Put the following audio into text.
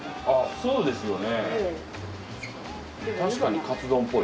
そうですね。